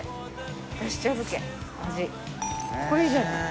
これいいじゃない。